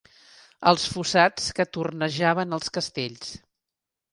Els fossats que tornejaven els castells.